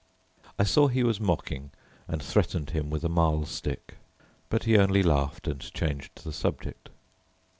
I saw he was mocking, and threatened him with a mahl stick, but he only laughed and changed the subject.